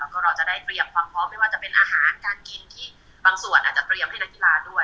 ก็เราจะได้เตรียมความพร้อมไม่ว่าจะเป็นอาหารการกินที่บางส่วนอาจจะเตรียมให้นักกีฬาด้วย